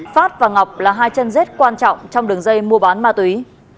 phát và ngọc là hai chân rết quan trọng trong đường dây mua bán ma túy